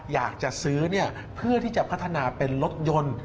อยากจะซื้อเพื่อที่จะพัฒนาเป็นรถยนต์